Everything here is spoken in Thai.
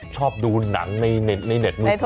ชอบดูหนังในเน็ตมือเขา